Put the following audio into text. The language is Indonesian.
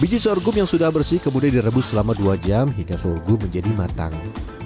biji sorghum yang sudah bersih kemudian direbus selama dua jam hingga sorghum menjadi matang